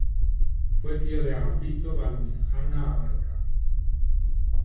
Fue tío de Agapito Vallmitjana Abarca.